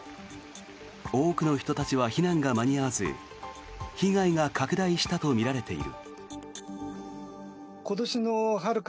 多くの人たちは避難が間に合わず被害が拡大したとみられている。